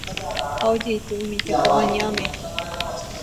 ha ojeity umi tekoañáme